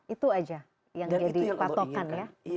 itu aja yang jadi patokan ya